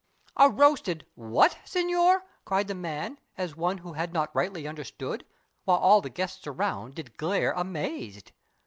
"A roasted—WHAT? Signore," cried the man, As one who had not rightly understood, While all the guests around did glare amazed.